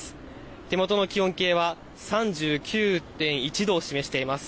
手元の気温計は３９．１度を示しています。